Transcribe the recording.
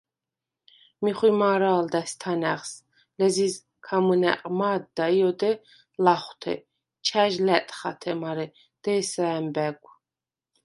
მი ხვიმა̄რა̄ლდა̈ს თანა̈ღს, ლეზიზ ქამჷნა̈ყ მა̄დდა ი ოდე ლახვთე ჩა̈ჟ ლა̈ტხათე, მარე დე̄სა ა̈მბა̈გვ.